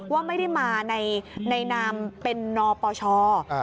ว่าไม่ได้มาในนามเป็นนปช